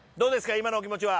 今のお気持ちは。